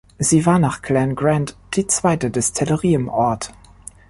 Sie war nach Glen Grant die zweite Destillerie im Ort.